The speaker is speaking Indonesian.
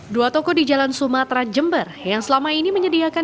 dua toko di jalan sumatera jember yang selama ini menyediakan